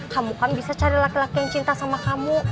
kamu kamu bisa cari laki laki yang cinta sama kamu